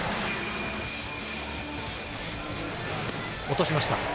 落としました。